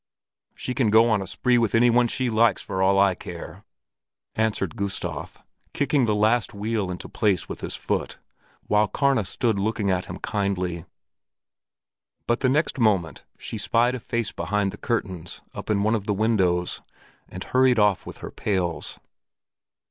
"She can go on the spree with any one she likes, for all I care," answered Gustav, kicking the last wheel into place with his foot, while Karna stood looking at him kindly. But the next moment she spied a face behind the curtains up in one of the windows, and hurried off with her pails.